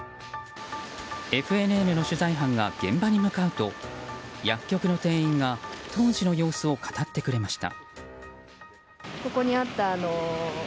ＦＮＮの取材班が現場に向かうと薬局の店員が当時の様子を語ってくれました。